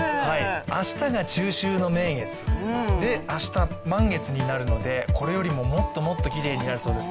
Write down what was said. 明日が中秋の名月で、明日、満月になるので、これよりも、もっともっときれいになるそうです。